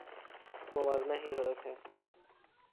موازنہ ہی غلط ہے۔